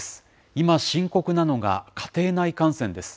今、深刻なのが家庭内感染です。